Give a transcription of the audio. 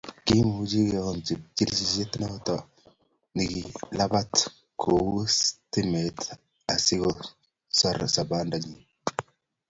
Kimuch koyon cheptikirchet noto nekilabat kou stimet asikosor sobenyi